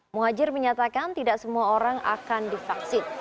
muhajir menyatakan tidak semua orang akan divaksin